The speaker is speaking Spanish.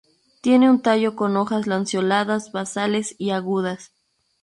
Tiene un tallo con hojas lanceoladas, basales y agudas.